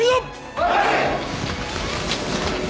はい！